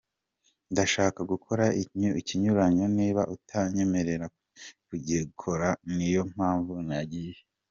Ndashaka gukora ikinyuranyo, niba utanyemerera kugikora, niyo mpamvu nagiye.